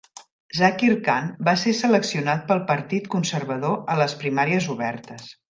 Zakir Khan va ser seleccionat pel Partit Conservador a les primàries obertes.